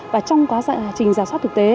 và trong quá trình giả soát thực tế